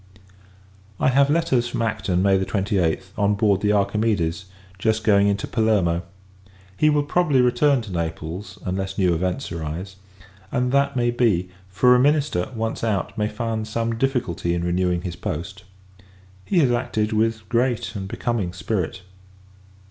I have letters from Acton, May 28, on board the Archimedes, just going into Palermo. He will probably return to Naples, unless new events arise: and that may be; for a minister, once out, may find some difficulty in renewing his post. He has acted with great and becoming spirit.